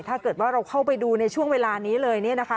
ถ้าเกิดว่าเราเข้าไปดูในช่วงเวลานี้เลย